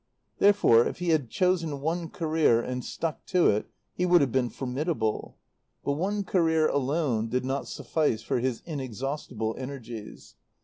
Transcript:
Therefore, if he had chosen one career and stuck to it he would have been formidable. But one career alone did not suffice for his inexhaustible energies.